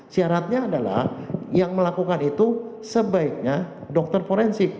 syaratnya adalah yang melakukan itu sebaiknya dokter forensik